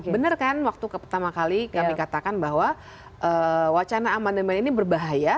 benar kan waktu pertama kali kami katakan bahwa wacana amandemen ini berbahaya